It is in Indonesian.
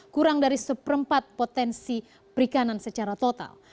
kurang dari seperempat potensi perikanan secara total